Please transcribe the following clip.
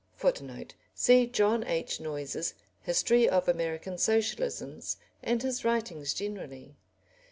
[Footnote: See John H. Noyes's History of American Socialisms and his writings generally.